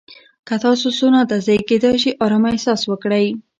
که تاسو سونا ته ځئ، کېدای شي ارامه احساس وکړئ.